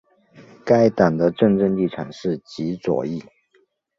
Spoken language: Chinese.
该党的政治立场是极左翼。